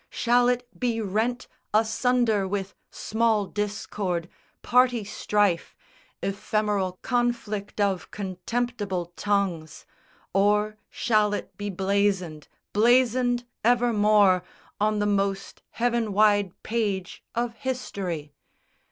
Shall it be rent Asunder with small discord, party strife, Ephemeral conflict of contemptible tongues, Or shall it be blazoned, blazoned evermore On the most heaven wide page of history?